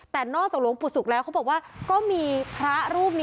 แต่นอกจากหลวงปู่ศุกร์แล้วเขาบอกว่าก็มีพระรูปนี้